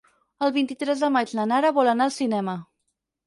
El vint-i-tres de maig na Nara vol anar al cinema.